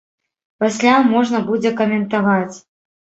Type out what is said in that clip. Пасля можна будзе каментаваць.